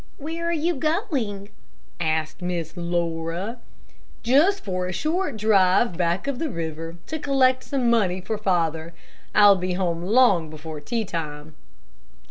"Where are you going?" asked Miss Laura. "Just for a short drive back of the river, to collect some money for father. I'll be home long before tea time."